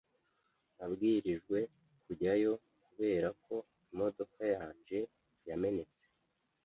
Nabwirijwe kujyayo kubera ko imodoka yanje yamenetse.